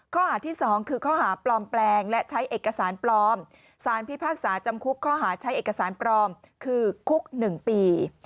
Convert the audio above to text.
ข้อหาที่๒คือข้อหาปลอมแปลงและใช้เอกสารปลอมสารพิพากษาจำคุกข้อหาใช้เอกสารปลอมคือคุก๑ปี